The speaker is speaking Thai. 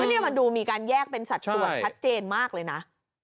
คือนี่มันดูมีการแยกเป็นสัตว์ปลูดชัดเจนมากเลยนะ